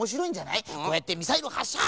こうやってミサイルはっしゃ！